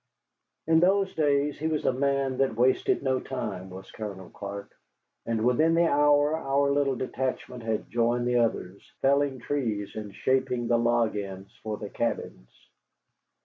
In those days he was a man that wasted no time, was Colonel Clark, and within the hour our little detachment had joined the others, felling trees and shaping the log ends for the cabins.